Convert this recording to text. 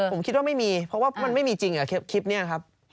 ผมคิดว่าไม่มีเพราะว่ามันไม่มีจริงคลิปนี้ครับ